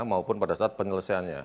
maupun pada saat penyelesaiannya